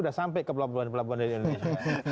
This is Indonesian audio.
sudah sampai ke pelabuhan pelabuhan dari indonesia